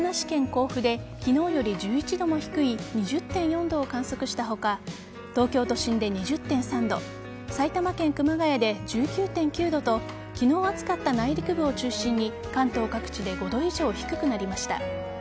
甲府で昨日より１１度も低い２０．４度を観測した他東京都心で２０．３度埼玉県熊谷で１９．９度と昨日暑かった内陸部を中心に関東各地で５度以上低くなりました。